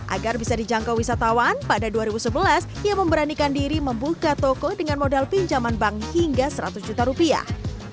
agar bisa dijangkau wisatawan pada dua ribu sebelas ia memberanikan diri membuka toko dengan modal pinjaman bank hingga seratus juta rupiah